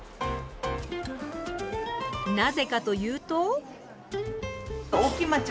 なぜかというと。